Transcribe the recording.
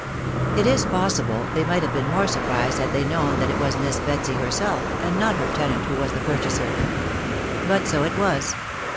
It is possible they might have been more surprised had they known that it was Miss Betsy herself, and not her tenant, who was the purchaser. But so it was.